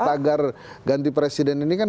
tagar ganti presiden ini kan